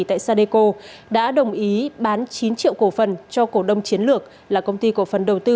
tại sadeco đã đồng ý bán chín triệu cổ phần cho cổ đông chiến lược là công ty cổ phần đầu tư